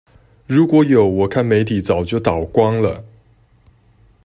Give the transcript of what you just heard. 如果有我看媒體早就倒光了！